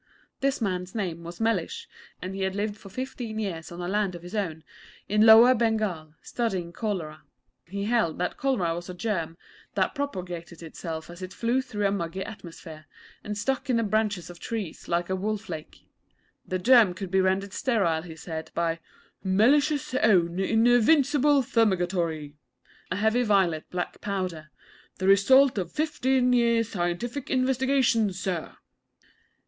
This man's name was Mellish, and he had lived for fifteen years on land of his own, in Lower Bengal, studying cholera. He held that cholera was a germ that propagated itself as it flew through a muggy atmosphere; and stuck in the branches of trees like a wool flake. The germ could be rendered sterile, he said, by 'Mellish's Own Invincible Fumigatory' a heavy violet black powder ' the result of fifteen years' scientific investigation, Sir!'